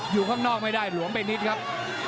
อยู่ข้างนอกไม่ได้หลวมไปนิดครับ